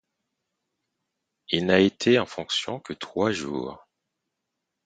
Il n'a été en fonction que trois jours.